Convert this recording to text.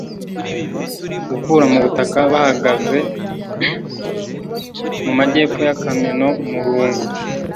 gukura mu butaka bahagaze mu majyepfo ya kameno? murungu